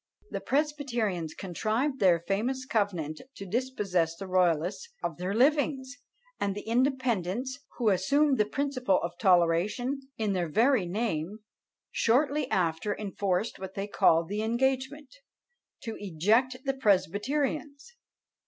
The presbyterians contrived their famous covenant to dispossess the royalists of their livings; and the independents, who assumed the principle of toleration in their very name, shortly after enforced what they called the engagement, to eject the presbyterians!